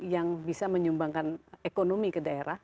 yang bisa menyumbangkan ekonomi ke daerah